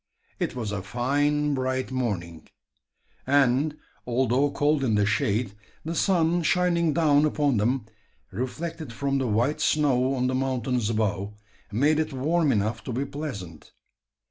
It was a fine bright morning; and, although cold in the shade, the sun shining down upon them, reflected from the white snow on the mountains above, made it warm enough to be pleasant.